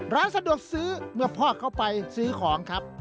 ร้านสะดวกซื้อเมื่อพ่อเข้าไปซื้อของครับ